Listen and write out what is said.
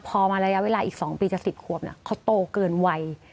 พอมาระยะเวลาอีก๒ปีจะ๑๐ขวบเขาโตเกินวัย